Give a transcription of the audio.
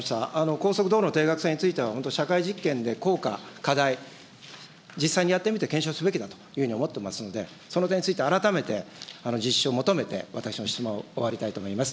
高速道路の定額制については、社会実験で効果、課題、実際にやってみて検証すべきだというふうに思っていますので、その点について改めて実施を求めて、私の質問を終わりたいと思います。